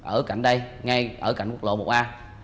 ở cạnh đây ngay ở cạnh quốc lộ một a